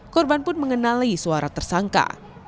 korban pun mengenali suara tersangka